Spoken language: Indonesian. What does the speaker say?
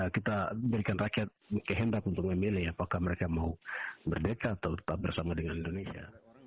kita berikan rakyat kehendak untuk memilih apakah mereka mau merdeka atau tetap bersama dengan indonesia